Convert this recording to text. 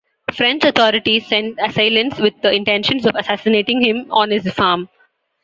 French authorities sent assailants with the intentions of assassinating him on his farm.